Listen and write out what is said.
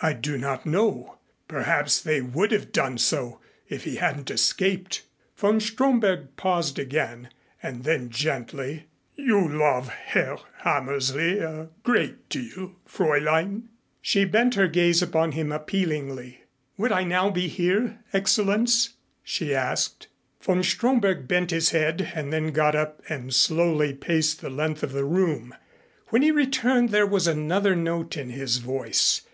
"I do not know. Perhaps they would have done so if he hadn't escaped." Von Stromberg paused again, and then, gently: "You love Herr Hammersley a great deal, Fräulein?" She bent her gaze upon him appealingly. "Would I now be here, Excellenz?" she asked. Von Stromberg bent his head and then got up and slowly paced the length of the room. When he returned there was another note in his voice.